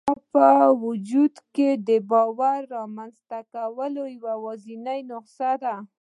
دا په وجود کې د باور رامنځته کولو یوازېنۍ نسخه ده